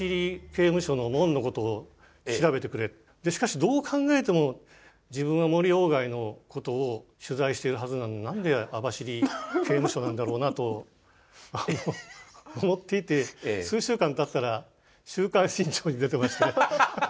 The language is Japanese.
しかしどう考えても自分は森外のことを取材してるはずなのに何で網走刑務所なんだろうなと思っていて数週間たったら「週刊新潮」に出てまして。